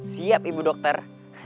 siap ibu dokter